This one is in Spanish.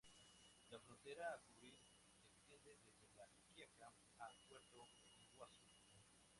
La frontera a cubrir se extiende desde La Quiaca a Puerto Iguazú.